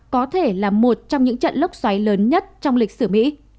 có thể là một trong những trận lốc xoáy lớn nhất trong lịch sử mỹ